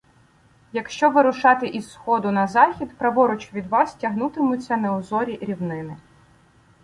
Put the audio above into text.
Якщо вирушати із сходу на захід, праворуч від вас тягнутимуться неозорі рівнини